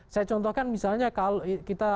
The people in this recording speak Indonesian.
saya contohkan misalnya kalau kita